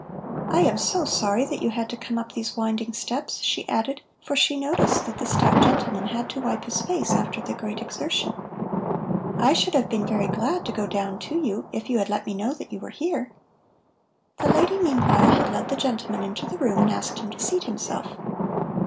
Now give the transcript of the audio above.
"I am so sorry that you had to come up these winding steps," she added, for she noticed that the stout gentleman had to wipe his face after the great exertion. "I should have been very glad to go down to you, if you had let me know that you were here." The lady meanwhile had led the gentleman into the room and asked him to seat himself.